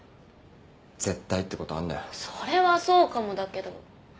それはそうかもだけど。